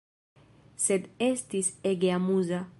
Sed estis ege amuza.